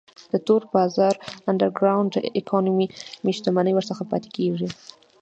د تور بازار Underground Economy شتمنۍ ورڅخه پاتې کیږي.